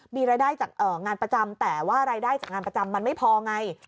มีรายได้จากงานประจำแต่ว่ารายได้จากงานประจำมันไม่พอไง